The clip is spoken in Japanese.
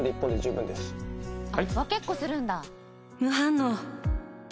分けっこするんだ。